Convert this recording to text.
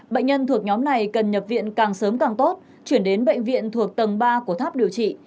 bệnh nhân thuộc nhóm này cần nhập viện càng sớm càng tốt chuyển đến bệnh viện thuộc tầng ba của tháp điều trị